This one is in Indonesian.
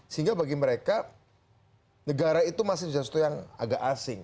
sehingga bagi mereka negara itu masih sesuatu yang agak asing